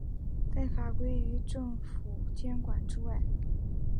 在法规与政府监管之外。